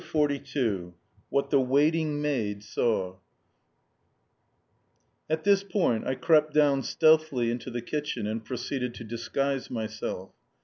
CHAPTER XLII WHAT THE WAITING MAID SAW At this point, I crept down stealthily into the kitchen and proceeded to disguise myself.